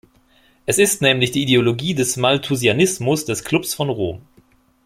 Es ist nämlich die Ideologie des Malthusianismus des Klubs von Rom.